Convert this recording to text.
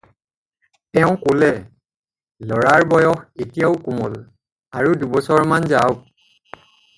তেওঁ ক'লে- "ল'ৰাৰ বয়স এতিয়াও কোমল, আৰু দুবছৰমান যাওক।"